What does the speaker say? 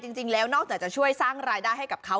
จริงแล้วนอกจากจะช่วยสร้างรายได้ให้กับเขา